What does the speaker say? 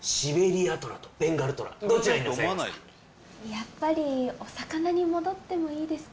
やっぱりお魚に戻ってもいいですか？